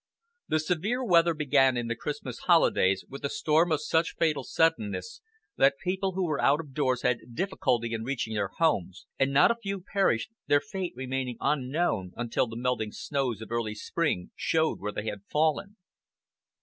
The severe weather began in the Christmas holidays with a storm of such fatal suddenness that people who were out of doors had difficulty in reaching their homes, and not a few perished, their fate remaining unknown until the melting snows of early spring showed where they had fallen.